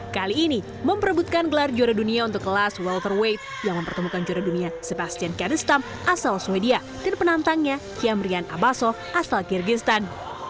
kali ini memperebutkan gelar juara dunia untuk kelas welterweight yang mempertemukan juara dunia sebastian khanistam asal swedia dan penantangnya kiamrian abaso asal kyrgyzstan